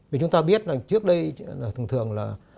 vì chúng ta biết là trước đây thường thường là